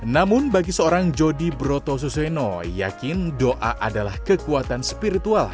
namun bagi seorang jody broto suseno yakin doa adalah kekuatan spiritual